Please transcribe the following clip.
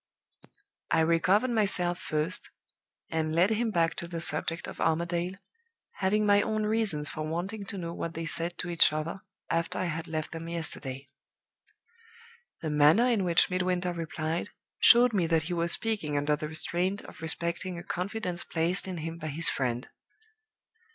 "I recovered myself first, and led him back to the subject of Armadale, having my own reasons for wanting to know what they said to each other after I had left them yesterday. "The manner in which Midwinter replied showed me that he was speaking under the restraint of respecting a confidence placed in him by his friend.